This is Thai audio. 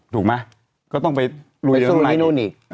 ถูกมั้ยก็ต้องไปลุยยังนู่นอีก